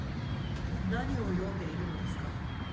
何を読んでいるのですか？